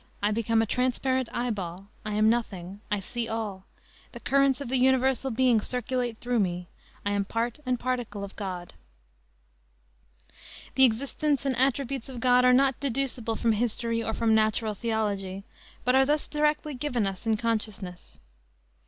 I become a transparent eyeball; I am nothing; I see all; the currents of the Universal Being circulate through me; I am part and particle of God." The existence and attributes of God are not deducible from history or from natural theology, but are thus directly given us in consciousness.